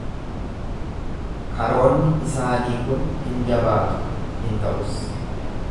Karoonni isaanii kun hin jabaatu, hin ta'us.